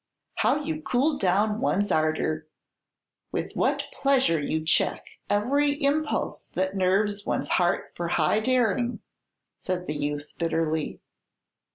"How you cool down one's ardor; with what pleasure you check every impulse that nerves one's heart for high daring!" said the youth, bitterly.